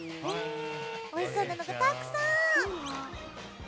おいしそうなのがたくさん！